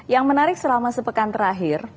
yang menarik selama sepekan terakhir